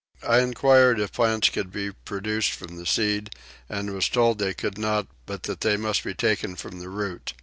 I enquired if plants could be produced from the seed and was told they could not but that they must be taken from the root.